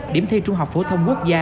điểm thi trung học phổ thông quốc gia